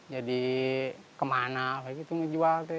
jadi kemana lagi itu menjualnya